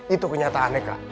itu kenyataannya kak